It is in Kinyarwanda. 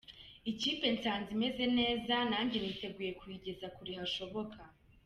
Ikipe nsanze imeze neza nanjye niteguye kuyigeza kure hashoboka.